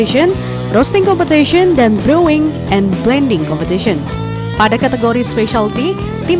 harus butuh satu secara fisik